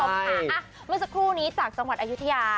เมื่อสักครู่นี้จากจังหวัดอายุทยา